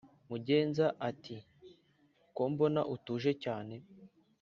Mugenza ati"kombona utuje cyane